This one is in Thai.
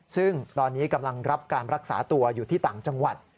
ซึ่งตอนนี้กำลังรับการรักษาตัวอยู่ที่ต่างจังหวัด